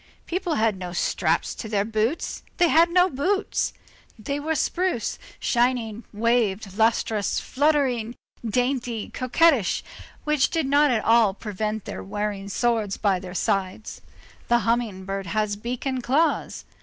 People had no straps to their boots, they had no boots. They were spruce, shining, waved, lustrous, fluttering, dainty, coquettish, which did not at all prevent their wearing swords by their sides. The humming bird has beak and claws.